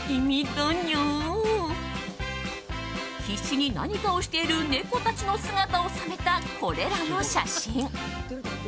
必死に何かをしている猫たちの姿を収めたこれらの写真。